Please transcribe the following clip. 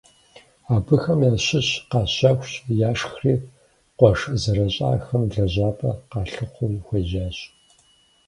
Абыхэм ящыщ къащэхущ, яшхри къуэш зэрыщӏахэм лэжьапӏэ къалъыхъуэу хуежьащ.